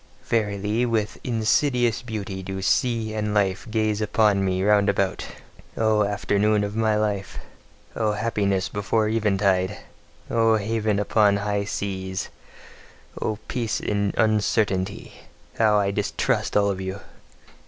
Verily, with insidious beauty do sea and life gaze upon me round about: O afternoon of my life! O happiness before eventide! O haven upon high seas! O peace in uncertainty! How I distrust all of you!